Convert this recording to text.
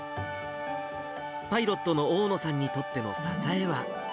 パイロットの大野さんにとっての支えは。